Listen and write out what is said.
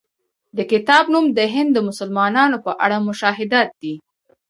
د کتاب نوم د هند د مسلمانانو په اړه مشاهدات دی.